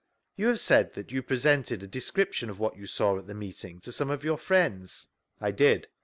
You have said that you presented a description ci what you saw at the meeting, to some of your friends?— I did.